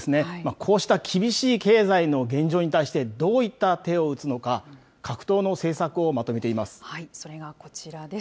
こうした厳しい経済の現状に対して、どういった手を打つのか、各党の政策をまとそれがこちらです。